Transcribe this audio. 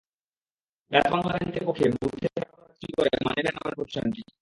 ডাচ্-বাংলা ব্যাংকের পক্ষে বুথে টাকা ভরার কাজটি করে মানি প্ল্যান্ট নামের প্রতিষ্ঠানটি।